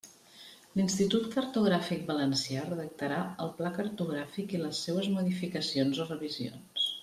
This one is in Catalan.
L'Institut Cartogràfic Valencià redactarà el Pla cartogràfic i les seues modificacions o revisions.